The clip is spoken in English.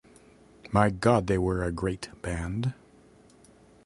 My god, they were a great band!